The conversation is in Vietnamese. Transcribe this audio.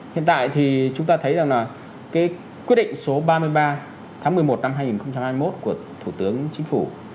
hiện tại thì chúng ta thấy rằng là cái quyết định số ba mươi ba tháng một mươi một năm hai nghìn hai mươi một của thủ tướng chính phủ